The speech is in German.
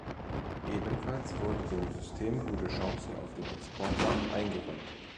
Ebenfalls wurde dem System gute Chancen auf dem Exportmarkt eingeräumt.